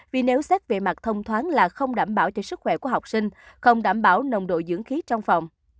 vì nếu xét về mặt thông thoáng là không đảm bảo cho sức khỏe của học sinh không đảm bảo nồng độ dưỡng khí trong phòng